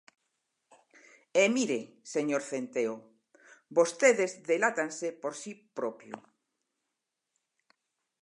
E mire, señor Centeo, vostedes delátanse por si propio.